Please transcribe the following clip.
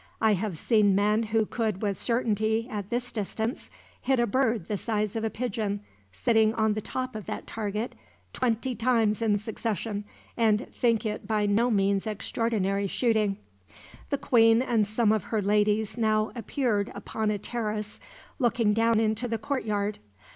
I have seen men who could with certainty, at this distance, hit a bird the size of a pigeon sitting on the top of that target, twenty times in succession, and think it by no means extraordinary shooting." The queen and some of her ladies now appeared upon a terrace looking down into the courtyard.